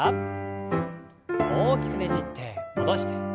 大きくねじって戻して。